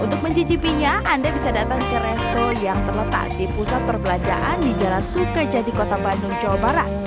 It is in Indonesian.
untuk mencicipinya anda bisa datang ke resto yang terletak di pusat perbelanjaan di jalan sukajadi kota bandung jawa barat